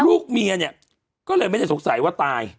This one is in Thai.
ลูกเมียเนี่ยก็เลยไม่ได้สงสัยว่าตาย